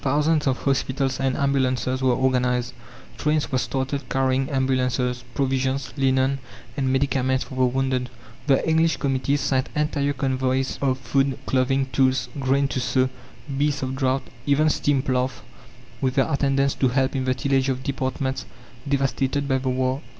Thousands of hospitals and ambulances were organized; trains were started carrying ambulances, provisions, linen, and medicaments for the wounded. The English committees sent entire convoys of food, clothing, tools, grain to sow, beasts of draught, even steam ploughs with their attendants to help in the tillage of departments devastated by the war!